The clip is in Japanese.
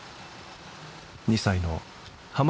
２歳の濱